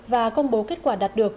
và công bố kết quả đạt được